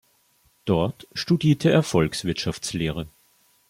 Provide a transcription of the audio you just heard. Dort studierte er Volkswirtschaftslehre.